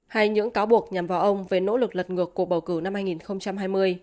hay những cáo buộc nhằm vào ông về nỗ lực lật ngược cuộc bầu cử năm hai nghìn hai mươi